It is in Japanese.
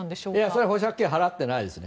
それは保釈金は払っていないですね。